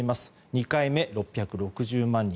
２回目、６６０万人。